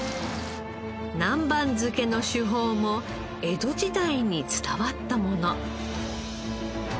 南蛮漬けの手法も江戸時代に伝わったもの。